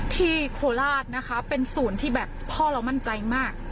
โคราชนะคะเป็นศูนย์ที่แบบพ่อเรามั่นใจมาก